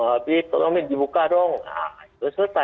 habib tolong ini dibuka dong nah itu selesai